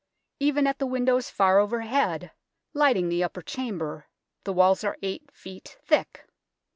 Even at the windows far overhead, lighting the upper chamber, the walls are 8 ft. thick.